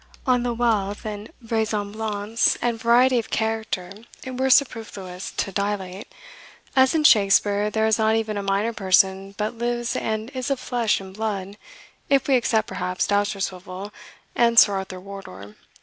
On the wealth and vraisemblance and variety of character it were superfluous to dilate. As in Shakspeare, there is not even a minor person but lives and is of flesh and blood, if we except, perhaps, Dousterswivel and Sir Arthur Wardour.